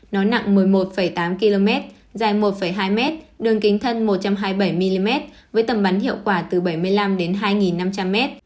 nó nặng một mươi một tám km dài một hai mét đường kính thân một trăm hai mươi bảy mm với tầm bắn hiệu quả từ bảy mươi năm đến hai năm trăm linh m